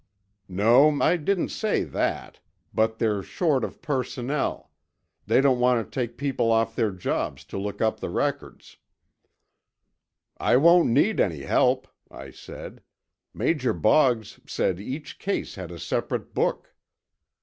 "No, I didn't say that. But they're short of personnel. They don't want to take people off other jobs to look up the records." "I won't need any help," I said. "Major Boggs said each case had a separate book.